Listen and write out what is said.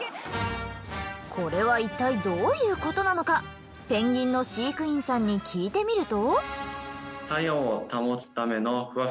これはいったいどういうことなのかペンギンの飼育員さんに聞いてみると。